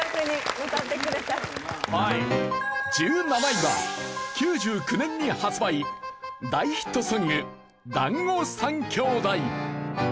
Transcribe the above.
１７位は９９年に発売大ヒットソング『だんご３兄弟』。